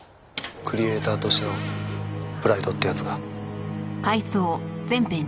クリエーターとしてのプライドってやつが。